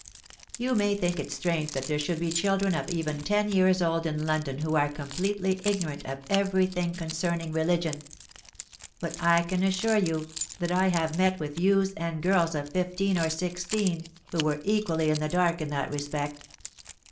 You may think it strange that there should be children of even ten years old in London who are completely ignorant of every thing concerning religion; but I can assure you that I have met with youths and girls of fifteen or sixteen who were equally in the dark in that respect.